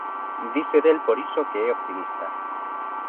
Dise del por iso que é optimista.